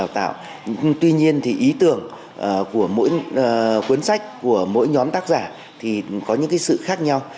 tuy nhiên thì ý tưởng của mỗi cuốn sách của mỗi nhóm tác giả thì có những sự khác nhau